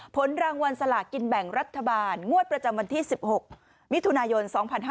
ผลรางวัลสลากินแบ่งรัฐบาลงวดประจำวันที่๑๖มิถุนายน๒๕๕๙